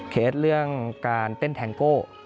เรื่องการเต้นแทงโก้